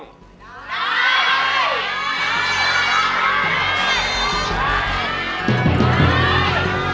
ได้